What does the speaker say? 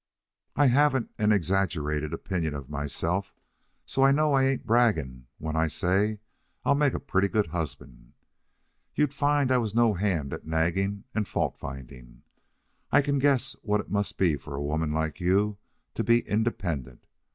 "I haven't an exaggerated opinion of myself, so I know I ain't bragging when I say I'll make a pretty good husband. You'd find I was no hand at nagging and fault finding. I can guess what it must be for a woman like you to be independent.